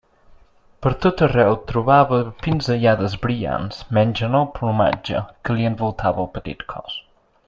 Per tot arreu trobava pinzellades brillants menys en el plomatge que li envoltava el petit cos.